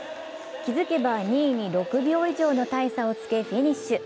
気づけば２位に６秒以上の大差をつけフィニッシュ。